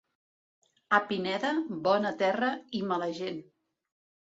A Pineda, bona terra... i mala gent.